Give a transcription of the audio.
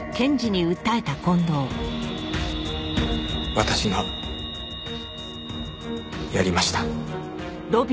私がやりました。